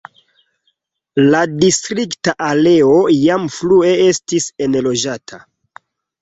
La distrikta areo jam frue estis enloĝata.